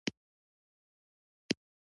د چاپ ماشین په څېر د نوښتونو مخه ونیسي.